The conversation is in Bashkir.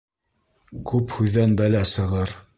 Күп һүҙҙән бәлә сығыр.